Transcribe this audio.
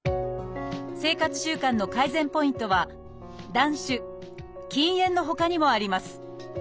生活習慣の改善ポイントは「断酒」「禁煙」のほかにもあります。